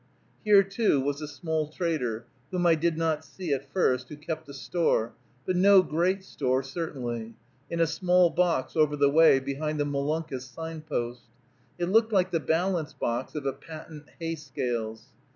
Here, too, was a small trader, whom I did not see at first, who kept a store, but no great store, certainly, in a small box over the way, behind the Molunkus sign post. It looked like the balance box of a patent hay scales.